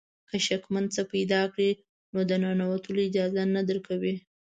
که شکمن څه پیدا کړي نو د ننوتلو اجازه نه درکوي.